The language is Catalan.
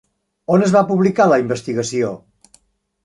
On es va publicar la investigació?